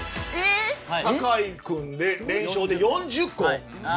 酒井君で連勝で４０個。